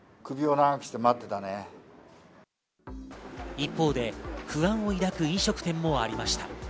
一方で、不安を抱く飲食店もありました。